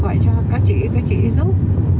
gọi cho các chị các chị giúp